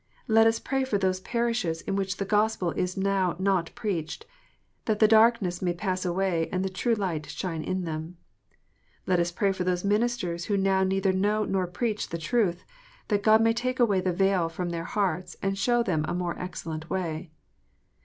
Let us pray for those parishes in which the Gospel is now not preached, that the darkness may pass away, and the true light shine in them. Let us pray for those ministers who now neither know nor preach the truth, that God may take away the veil from their hearts, and show them a more excellent way.